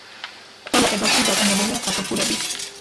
ყველა კედელში დატანებულია სათოფურები.